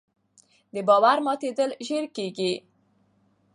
د باور ماتېدل ژر کېږي